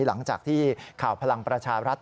หลังจากที่ข่าวพลังประชารัฐ